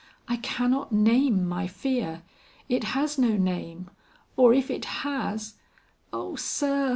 I cannot name my fear; it has no name, or if it has Oh, sir!"